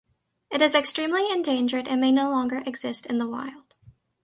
It is extremely endangered and may no longer exist in the wild.